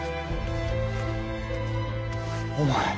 お前！